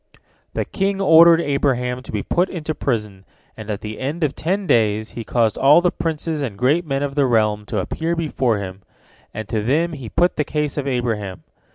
The king ordered Abraham to be put into prison, and at the end of ten days he caused all the princes and great men of the realm to appear before him, and to them he put the case of Abraham.